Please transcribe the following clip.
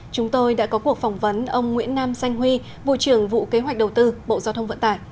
chúng tôi đã có cuộc phỏng vấn ông nguyễn nam xanh huy vụ trưởng vụ kế hoạch đầu tư bộ giao thông vận tải